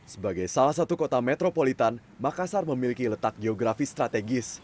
sebagai salah satu kota metropolitan makassar memiliki letak geografi strategis